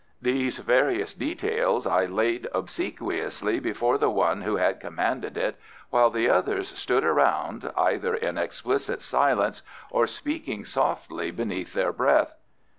These various details I laid obsequiously before the one who had commanded it, while the others stood around either in explicit silence or speaking softly beneath their breath.